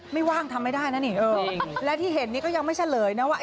ว่างทำไม่ได้นะนี่และที่เห็นนี้ก็ยังไม่เฉลยนะว่า